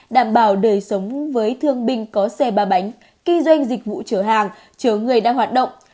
đảm bảo đời sống với thương binh có xe ba bánh kinh doanh dịch vụ chở hàng chở người đang hoạt động